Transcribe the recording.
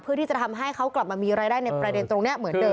ที่จะทำให้เขากลับมามีรายได้ในประเด็นตรงนี้เหมือนเดิ